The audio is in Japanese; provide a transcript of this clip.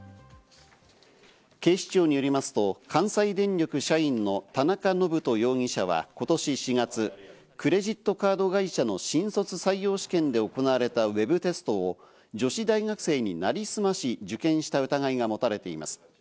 警視庁によりますと関西電力社員の田中信人容疑者は今年４月、クレジットカード会社の新卒採用試験で行われたウェブテストを女子大学生に成り済まし、受験した疑いが持たれています。